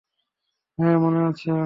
হ্যাঁ মনে আছে।